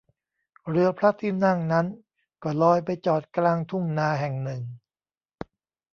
เรือพระที่นั่งนั้นก็ลอยไปจอดกลางทุ่งนาแห่งหนึ่ง